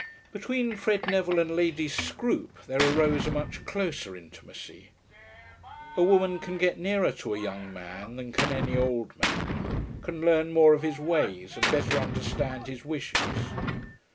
Between Fred Neville and Lady Scroope there arose a much closer intimacy. A woman can get nearer to a young man than can any old man; can learn more of his ways, and better understand his wishes.